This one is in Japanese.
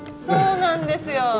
そうなんですよ。